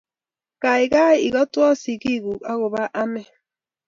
kaikai ikotwo sikikuk akobo anee